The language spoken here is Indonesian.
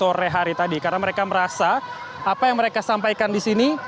sore hari tadi karena mereka merasa apa yang mereka sampaikan di sini